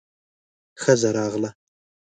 ښځه راغله.